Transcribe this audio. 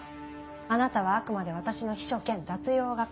あなたはあくまで私の秘書兼雑用係。